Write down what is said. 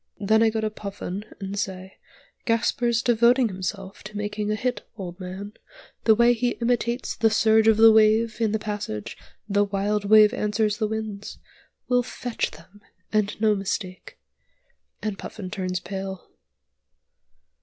Then I go to Puffin and say, 'Gasper's devoting himself to making a hit, old man; the way he imitates the surge of the wave in the passage 'The wild wave answers the winds,' will 'fetch' them, and no mistake!' and Puffin turns pale."